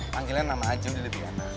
panggilnya nama aja udah lebih enak